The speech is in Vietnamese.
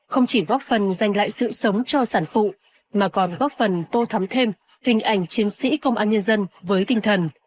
không chỉ góp phần dành lại sự sống cho sản phụ mà còn góp phần tô thắm thêm hình ảnh chiến sĩ công an nhân dân với tinh thần